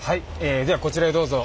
えではこちらへどうぞ。